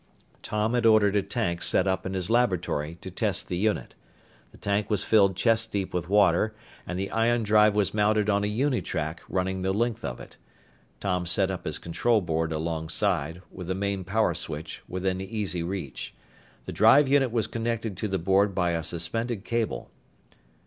Tom had ordered a tank set up in his laboratory to test the unit. The tank was filled chest deep with water, and the ion drive was mounted on a unitrack running the length of it. Tom set up his control board alongside, with the main power switch within easy reach. The drive unit was connected to the board by a suspended cable.